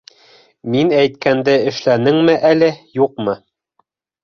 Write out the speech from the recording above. Мин әйткәнде эшләнеңме әле, юҡмы?